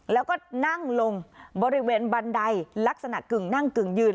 แล้วก็นั่งลงบริเวณบันไดลักษณะกึ่งนั่งกึ่งยืน